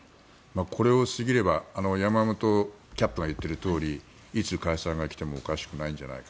これを過ぎれば山本キャップが言っているとおりいつ解散が来てもおかしくないんじゃないか。